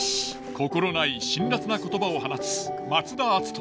心ない辛辣な言葉を放つ松田篤人。